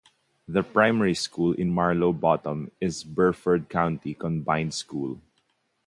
The primary school in Marlow Bottom is Burford County Combined School.